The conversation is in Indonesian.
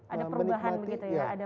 ada perubahan begitu ya